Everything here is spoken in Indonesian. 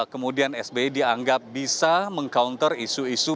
kemudian sby dianggap bisa meng counter isu isu